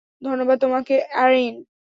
ধন্যবাদ তোমাকে, অ্যারিন।